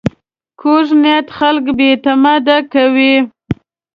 کوږ نیت خلک بې اعتماده کوي